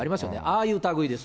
ああいう類です。